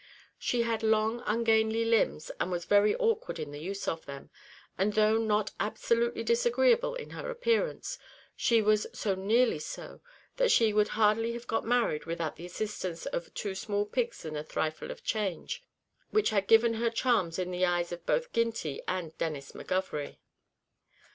She had long ungainly limbs, and was very awkward in the use of them, and though not absolutely disagreeable in her appearance, she was so nearly so, that she would hardly have got married without the assistance of the "two small pigs, and thrifle of change," which had given her charms in the eyes both of Ginty and Denis McGovery.